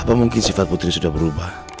apa mungkin sifat putri sudah berubah